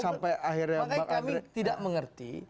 makanya kami tidak mengerti